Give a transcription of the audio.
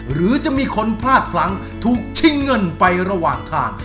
หรือจะมีคนพลาดพลั้งถูกชิงเงินไประหว่างทาง